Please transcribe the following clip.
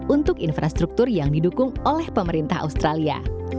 untuk infrastruktur yang didukung oleh pemerintah australia